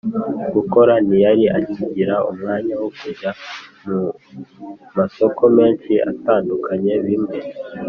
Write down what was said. Gukora ntiyari akigira umwanya wo kujya mu masoko menshi atandukanye bimwe